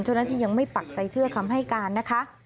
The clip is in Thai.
เจ้าหน้าที่ยังไม่ปักใจเชื่อคำให้การนะคะ